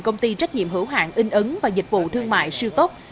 công ty trách nhiệm hữu hạn in ấn và dịch vụ thương mại siêu tốt